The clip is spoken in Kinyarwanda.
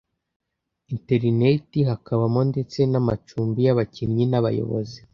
Interineti, hakabamo ndetse n’amacumbi y’abakinnyi n’abayobozi